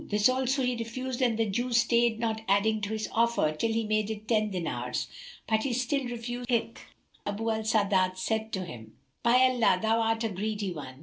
This also he refused and the Jew stayed not adding to his offer, till he made it ten dinars; but he still refused and Abu al Sa'adat said to him, "By Allah, thou art a greedy one.